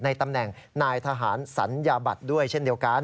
ตำแหน่งนายทหารสัญญาบัตรด้วยเช่นเดียวกัน